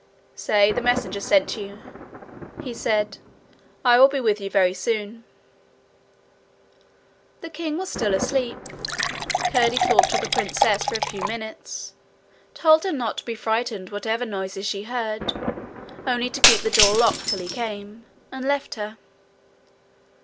'Say the messenger sent you,' he said. 'I will be with you very soon.' The king was still asleep. Curdie talked to the princess for a few minutes, told her not to be frightened whatever noises she heard, only to keep her door locked till he came, and left her.